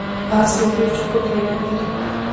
اس یو ډیر چابک حیوان دی